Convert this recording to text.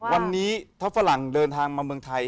วันนี้ถ้าฝรั่งเดินทางมาเมืองไทย